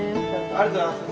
ありがとうございます。